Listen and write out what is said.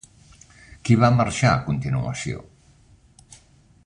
Qui va marxar a continuació?